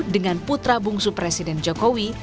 dengan putra bungsu presiden jokowi